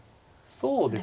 そうですね。